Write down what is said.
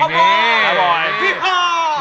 คาร์โบย